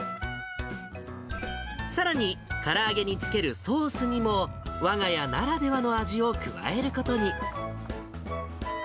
さらに、から揚げにつけるソースにも、わが家ならではの味を加えることに。